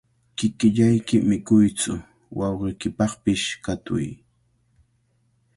Kikillayki mikuytsu, wawqiykipaqpish katuy.